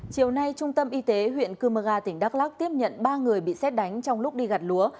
chiều nay trung tâm y tế huyện cư mơ ga tỉnh đắk lắc tiếp nhận ba người bị xét đánh trong lúc đi gặt lúa